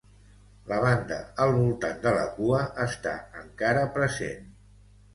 La banda al voltant de la cua està encara present.